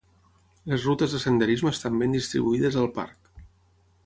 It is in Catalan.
Les rutes de senderisme estan ben distribuïdes al parc.